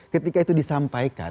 ketika itu disampaikan